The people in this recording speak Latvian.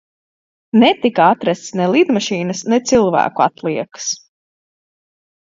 Netika atrastas ne lidmašīnas ne cilvēku atliekas.